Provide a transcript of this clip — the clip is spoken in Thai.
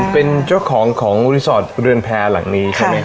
เป็นเจ้าของของรีสอร์ทเรือนแพร่หลังนี้ใช่ไหมครับ